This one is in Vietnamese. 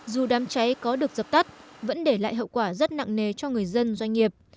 dù đám cháy có được dập tắt vẫn để lại hậu quả rất nặng nề cho người dân doanh nghiệp